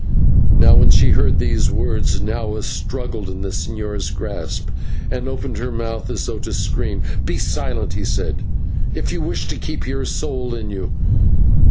Now when she heard these words, Nahua struggled in the señor's grasp, and opened her mouth as though to scream. "Be silent," he said, "if you wish to keep your soul in you.